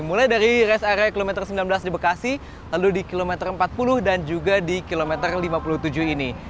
mulai dari res area kilometer sembilan belas di bekasi lalu di kilometer empat puluh dan juga di kilometer lima puluh tujuh ini